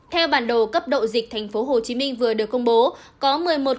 theo bản đồ cấp độ dịch tp hcm vừa được công bố